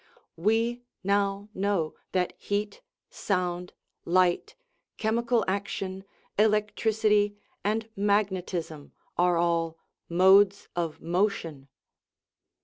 We now know that heat, sound, light, chemical action, electricity, and magnetism are all modes of motion.